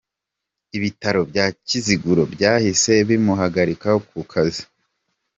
Ibitaro bya Kiziguro byahise bimuhagarika ku kazi.